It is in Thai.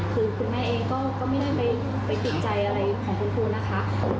คือคุณแม่เองก็ไม่ได้ไปติดใจอะไรของคุณครูนะคะ